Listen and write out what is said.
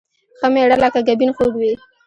ښه مېړه لکه ګبين خوږ وي